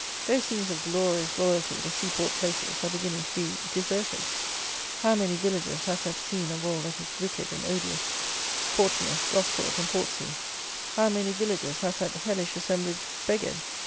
Those scenes of glorious loyalty, the sea port places, are beginning to be deserted. How many villages has that scene of all that is wicked and odious, Portsmouth, Gosport, and Portsea; how many villages has that hellish assemblage beggared!